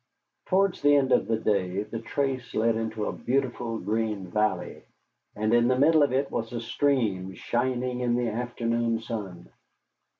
Towards the end of the day the trace led into a beautiful green valley, and in the middle of it was a stream shining in the afternoon sun.